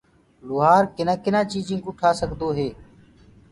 لوهآر ڪنآ ڪنآ چيجين ڪو ٺآ سگدوئي